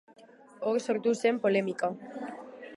Hor sortu zen polemika.